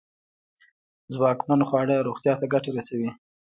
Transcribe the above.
ځواکمن خواړه روغتیا ته گټه رسوي.